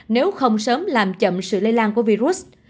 nếu không sớm làm chậm sự lây lan của virus